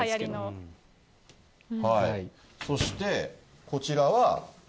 そして、こちらは。